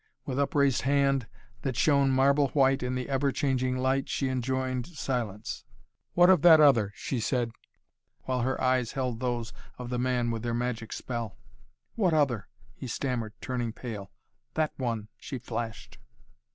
With upraised hand, that shone marble white in the ever changing light, she enjoined silence. "What of that other?" she said, while her eyes held those of the man with their magic spell. "What other?" he stammered, turning pale. "That one!" she flashed.